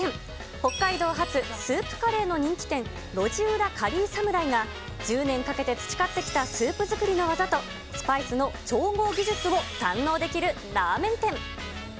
北海道発スープカレーの人気店、ロジウラカリィサムライが１０年かけて培ってきたスープ作りの技と、スパイスの調合技術を堪能できるラーメン店。